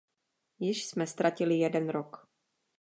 Již jsme ztratili jeden rok.